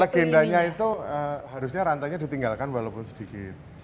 legendanya itu harusnya rantainya ditinggalkan walaupun sedikit